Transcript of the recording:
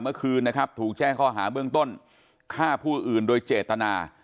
เมื่อคืนนะครับถูกแจ้งข้อหาเบื้องต้นฆ่าผู้อื่นโดยเจตนา